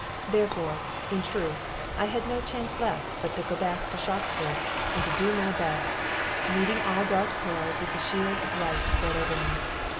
Therefore, in truth, I had no chance left but to go back to Shoxford and do my best, meeting all dark perils with the shield of right spread over me.